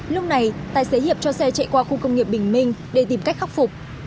lúc này tài xế hiệp cho xe chạy qua khu công nghiệp bình minh để tìm cách khắc phục